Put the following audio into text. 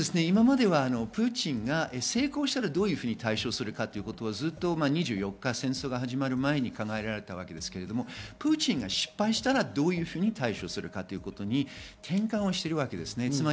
今まではプーチンが成功したらどういうふうに対処するかをずっと２４日、戦争が始まる前に考えられたわけですが、プーチンが失敗したらどういうふうに対処するかということに転換しています。